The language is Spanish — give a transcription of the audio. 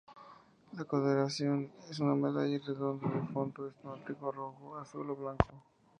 La condecoración es una medalla redonda de fondo esmaltado rojo, azul o blanco.